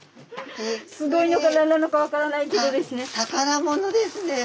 すごいのか何なのか分からないけどですね。